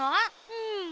うん。